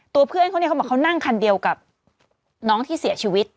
เพื่อนเขาเนี่ยเขาบอกเขานั่งคันเดียวกับน้องที่เสียชีวิต